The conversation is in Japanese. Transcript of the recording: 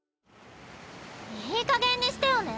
いいかげんにしてよね！